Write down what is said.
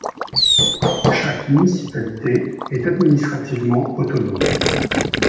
Chaque municipalité est administrativement autonome.